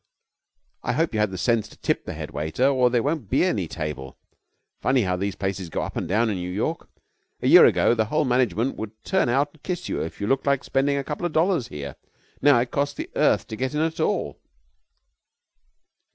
I hope you had the sense to tip the head waiter, or there won't be any table. Funny how these places go up and down in New York. A year ago the whole management would turn out and kiss you if you looked like spending a couple of dollars here. Now it costs the earth to get in at all.'